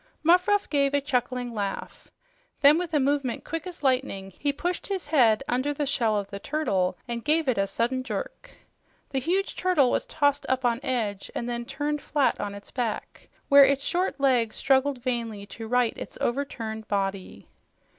Muffruff gave a chuckling laugh. Then, with a movement quick as lightning, he pushed his head under the shell of the turtle and gave it a sudden jerk. The huge turtle was tossed up on edge and then turned flat upon its back, where its short legs struggled vainly to right its overturned body.